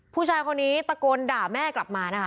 ผู้ชายคนนี้ตะโกนด่าแม่กลับมานะคะ